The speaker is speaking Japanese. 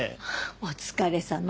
お疲れさま。